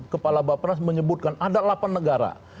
kepala bapak pras menyebutkan ada delapan negara